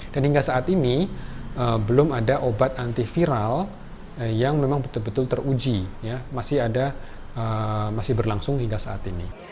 dan hingga saat ini belum ada obat antiviral yang memang betul betul teruji masih berlangsung hingga saat ini